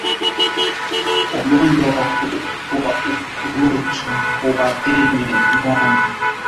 Ugonjwa wa ukurutu hauwaathiri ngombe kwa nadra sana